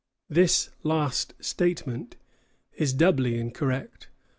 This last statement is doubly incorrect.